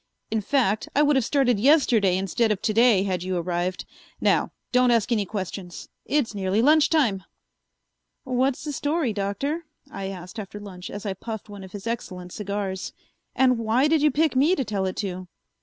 In fact, I would have started yesterday instead of to day, had you arrived. Now don't ask any questions; it's nearly lunch time." "What's the story, Doctor?" I asked after lunch as I puffed one of his excellent cigars. "And why did you pick me to tell it to?"